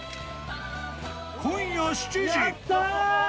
今夜７時。